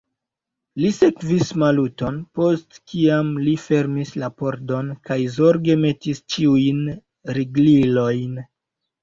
Li sekvis Maluton, post kiam li fermis la pordon kaj zorge metis ĉiujn riglilojn.